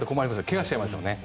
怪我しちゃいますよね。